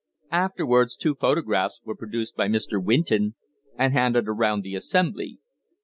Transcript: Afterwards two photographs were produced by Mr. Winton and handed around the assembly.